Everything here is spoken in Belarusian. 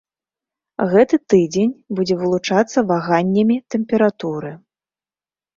Гэты тыдзень будзе вылучацца ваганнямі тэмпературы.